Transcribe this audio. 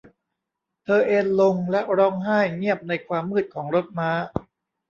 เธอเอนลงและร้องไห้เงียบในความมืดของรถม้า